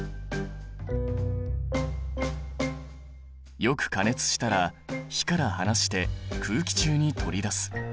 よく加熱したら火から離して空気中に取り出す。